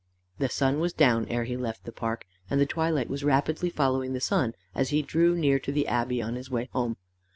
The sun was down ere he left the park, and the twilight was rapidly following the sun as he drew near to the Abbey on his way home.